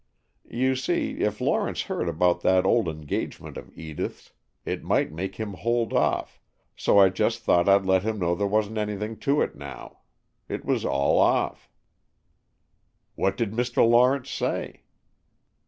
You see, if Lawrence heard about that old engagement of Edith's it might make him hold off, so I just thought I'd let him know there wasn't anything to it now. It was all off." "What did Mr. Lawrence say?"